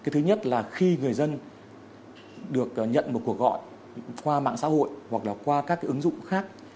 thứ nhất là khi người dân được nhận một cuộc gọi qua mạng xã hội hoặc là qua các ứng dụng khác